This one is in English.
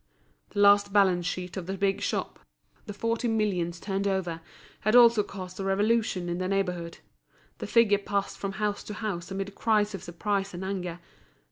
The last balance sheet of the big shop, the forty millions turned over, had also caused a revolution in the neighbourhood. The figure passed from house to house amid cries of surprise and anger.